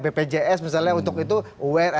bpjs misalnya untuk itu aware